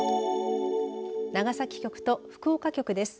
長崎局と福岡局です。